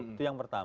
itu yang pertama